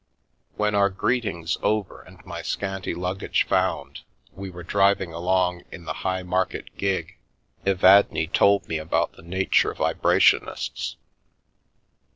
When, our greetings over and my scanty luggage found, we were driving along in the high market gig, Evadne told me about the Nature Vibrationists.